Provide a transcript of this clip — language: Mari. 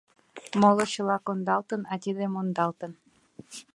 Моло чыла кондалтын, а тидет мондалтын.